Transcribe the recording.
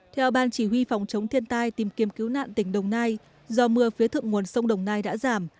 theo ban chỉ huy phòng chống thiên tai tìm kiếm cứu nạn tỉnh đồng nai do mưa phía thượng nguồn sông đồng nai đã giảm